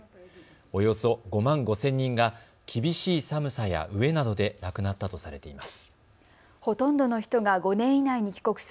およそ５万５０００人が厳しい寒さや飢えなどで亡くなったとされています。